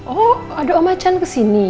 oh ada omacan kesini